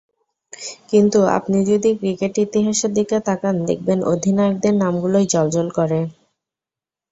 কিন্তু আপনি যদি ক্রিকেট ইতিহাসের দিকে তাকান, দেখবেন অধিনায়কদের নামগুলোই জ্বলজ্বল করে।